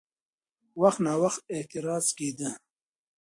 وخت ناوخت اعتراض کېده؛